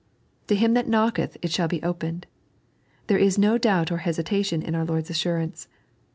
" To him that knocketh it shall be opened." There is no doubt or hesitation in our Lord's assurance.